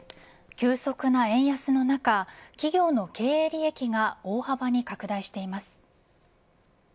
急速な円安の中企業の経営利益が大幅に拡大しています。